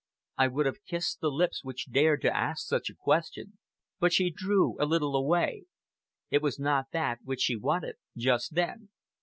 I would have kissed the lips which dared to ask such a question, but she drew a little away. It was not that which she wanted just then.